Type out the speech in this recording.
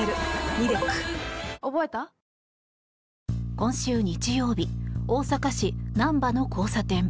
今週日曜日大阪市・なんばの交差点。